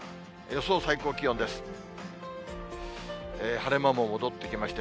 予想最高気温です。